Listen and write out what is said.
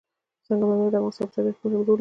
سنگ مرمر د افغانستان په طبیعت کې مهم رول لري.